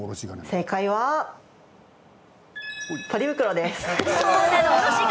正解は、ポリ袋です。